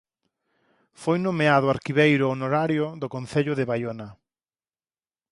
Foi nomeado arquiveiro honorario do Concello de Baiona.